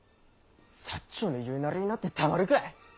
長の言うなりになってたまるかい。